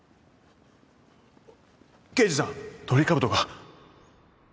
刑事さんトリカブトが